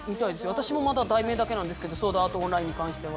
私もまだ題名だけなんですけど「ソードアート・オンライン」に関しては。